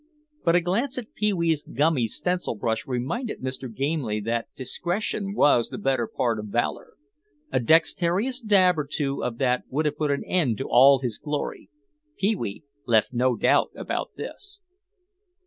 But a glance at Pee wee's gummy stencil brush reminded Mr. Gamely that discretion was the better part of valor. A dexterous dab or two of that would have put an end to all his glory. Pee wee left no doubt about this.